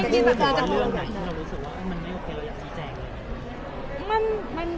เรารู้สึกว่ามันไม่โอเคเราอยากชี้แจงเลย